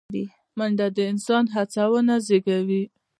منډه د انسان هڅونه زیږوي